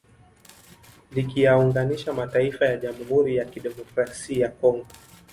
Likiyaunganisha mataifa ya Jamhuri ya Kidemokrasi ya Kongo